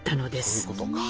そういうことか。